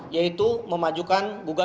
yaitu memajukan perintah